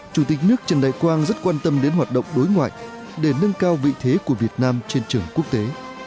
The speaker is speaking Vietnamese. chủ tịch nước trần đại quang rất quan tâm đến hoạt động đối ngoại để nâng cao vị thế của việt nam trên trường quốc tế